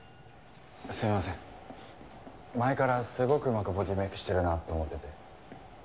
前からすごくうまくボディメイクしてるなと思ってて。